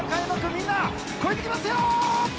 みんな、超えていきますよ！